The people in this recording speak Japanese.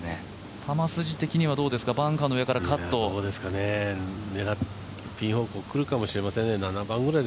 球筋的にはバンカーからのカットピン方向来るかもしれませんね。